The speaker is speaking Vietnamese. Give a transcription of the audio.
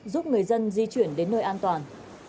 giúp người dân di chuyển đến nơi an toàn